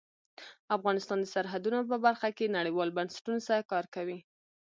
افغانستان د سرحدونه په برخه کې نړیوالو بنسټونو سره کار کوي.